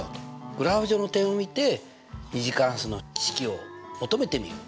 グラフ上の点を見て２次関数の式を求めてみようと。